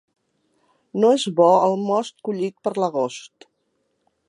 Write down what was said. No és bo el most collit per l'agost.